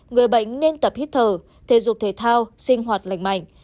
người bệnh nên tập hít thở thể dục thể thao sinh hoạt lành mạnh